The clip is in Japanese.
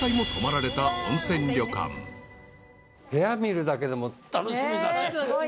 部屋見るだけでも楽しみだね。